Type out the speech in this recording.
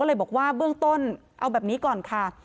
เลยบอกว่าเบื้องต้นเอาแบบนี้ก่อนค่ะ